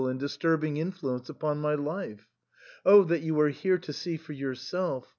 169 and disturbing influence upon my life ? Oh that you were here to see for yourself !